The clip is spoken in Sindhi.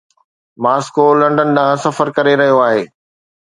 ماسڪو لنڊن ڏانهن سفر ڪري رهيو آهي